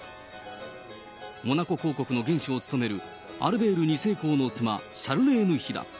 モナコ公国の元首を務めるアルベール２世公の妻、シャルレーヌ妃だ。